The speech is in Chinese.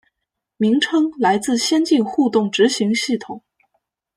名称来自先进互动执行系统。